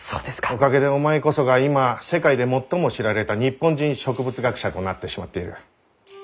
おかげでお前こそが今世界で最も知られた日本人植物学者となってしまっている。